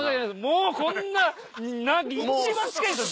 もうこんな一番近いんですよ